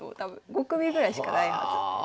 ５組ぐらいしかないはず。